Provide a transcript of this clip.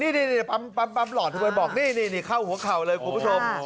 นี่ปั๊มหลอดเขาไปบอกนี่เข้าหัวเข่าเลยกลุ่มผู้ชม